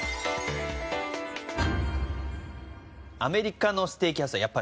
アメリカのステーキ屋さん